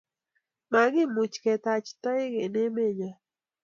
Makimuch ketach toek eng' emenyo